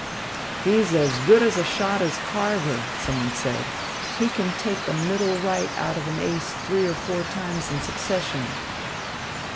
"He's as good a shot as Carver," someone said. "He can take the middle right out of an ace three or four times in succession."